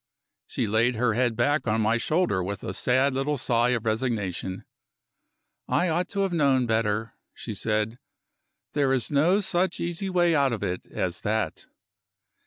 She laid her head back on my shoulder with a sad little sigh of resignation. "I ought to have known better," she said; "there is no such easy way out of it as that.